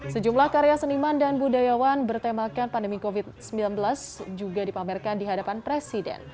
sejumlah karya seniman dan budayawan bertemakan pandemi covid sembilan belas juga dipamerkan di hadapan presiden